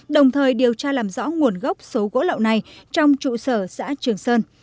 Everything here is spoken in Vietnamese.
đồng thời điều tra làm rõ nguồn gốc số gỗ lậu này trong trụ sở xã trường sơn